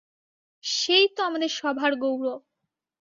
সেই তো আমাদের সভার গৌরব!